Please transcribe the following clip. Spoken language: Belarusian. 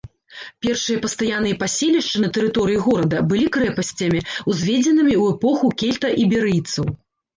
Першыя пастаянныя паселішчы на тэрыторыі горада былі крэпасцямі, узведзенымі ў эпоху кельта-іберыйцаў.